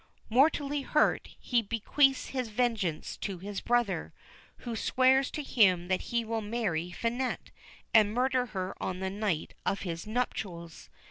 Mortally hurt, he bequeaths his vengeance to his brother, who swears to him that he will marry Finette, and murder her on the night of his nuptials.